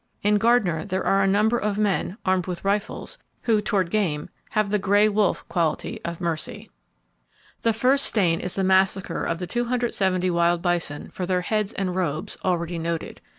In Gardiner there are a number of men, armed with rifles, who toward game have the gray wolf quality of mercy. The first stain is the massacre of the 270 wild bison for their heads and robes, already noted.